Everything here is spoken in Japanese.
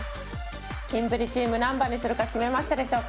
キンプリチーム何番にするか決めましたでしょうか？